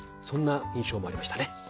そんな印象もありましたね。